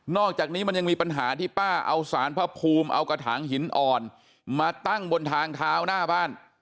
อกจากนี้มันยังมีปัญหาที่ป้าเอาสารพระภูมิเอากระถางหินอ่อนมาตั้งบนทางเท้าหน้าบ้าน